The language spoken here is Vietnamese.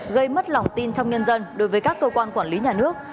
gây mất lòng tin trong nhân dân đối với các cơ quan quản lý nhà nước